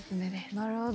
なるほど。